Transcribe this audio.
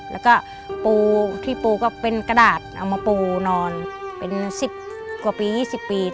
แล้วก็ปูที่ปูก็เป็นกระดาษเอามาปูนอนเป็น๑๐กว่าปี๒๐ปี